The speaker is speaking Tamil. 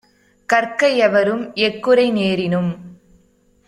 கற்க எவரும்; எக்குறை நேரினும்